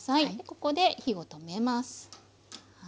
ここで火を止めます。